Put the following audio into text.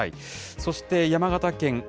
そして山形県。